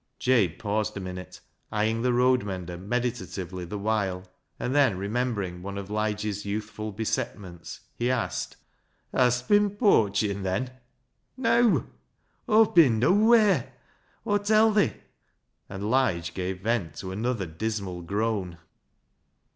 Jabe paused a minute, eyeing the road mender meditatively the while, and then remembering one of Lige's youthful besetments, he asked —" Hast bin pooachin' then ?"" Neaw ; Aw've bin noawheer, Aw tell thi," and Lige gave vent to another dismal groan.